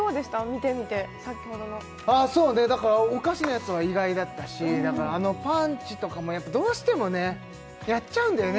見てみて先ほどのああそうねだからお菓子のやつは意外だったしだからあのパンチとかもやっぱどうしてもねやっちゃうんだよね